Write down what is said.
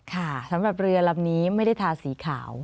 ค่ะสำหรับเรือลำนี้ไม่ได้ทาสีขาว